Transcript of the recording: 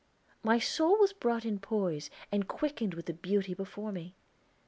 My soul was brought in poise and quickened with the beauty before me!